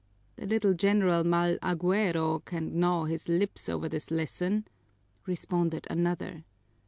"The little general Mal Aguero can gnaw his lips over this lesson," responded another.